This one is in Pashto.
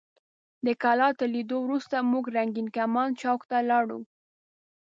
د کلا تر لیدو وروسته موږ رنګین کمان چوک ته لاړو.